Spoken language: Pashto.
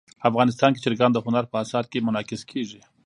افغانستان کې چرګان د هنر په اثار کې منعکس کېږي.